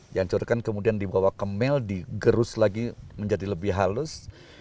dihancurkan kemudian dibawa ke mel digerus lagi menjadi lebih halus